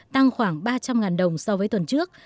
tăng khoảng ba trăm linh đồng so với tuần trước